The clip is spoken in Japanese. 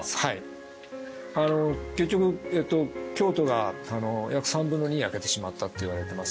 結局京都が約３分の２焼けてしまったっていわれてます。